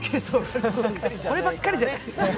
こればっかりじゃない。